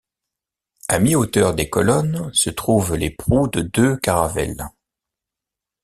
À mi-hauteur des colonnes se trouvent les proues de deux caravelles.